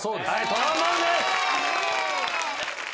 トロンボーンです。